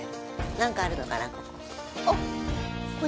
何かあるのかな、ここ。